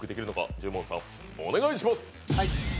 十文字さん、お願いします。